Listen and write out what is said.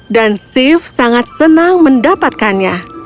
dan sif sangat senang mendapatkannya